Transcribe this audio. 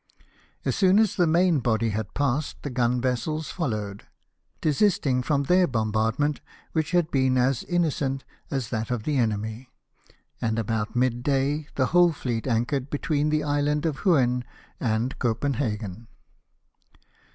As soon as the main body had passed the gun vessels followed, desisting from their bombardment, which had been as innocent as that of the enemy, and about mid day the whole fleet anchored between the island of Huen and Copenhagen.